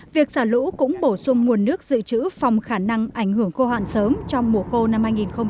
việc xả lũ cũng bổ sung nguồn nước dự trữ phòng khả năng ảnh hưởng khô hạn sớm trong mùa khô năm hai nghìn hai mươi